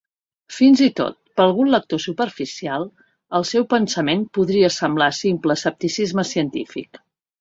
Fins i tot, per algun lector superficial, el seu pensament podria semblar simple escepticisme científic.